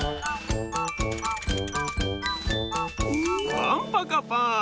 パンパカパーン！